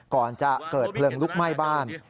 ก่อนจะเกิดเพลิงลุกไหม้บ้าน